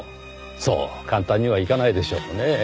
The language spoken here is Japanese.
そう簡単にはいかないでしょうねぇ。